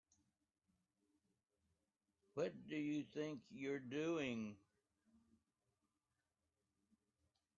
What do you think you're doing?